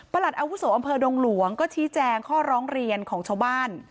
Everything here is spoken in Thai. ประหลัดอาวุศว์อำเภอหลวงก็ชี้แจงข้อร้องเรียนของชาวบ้าน